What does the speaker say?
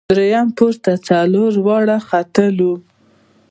درییم پوړ ته څلور واړه ختلو.